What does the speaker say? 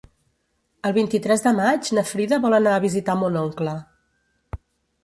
El vint-i-tres de maig na Frida vol anar a visitar mon oncle.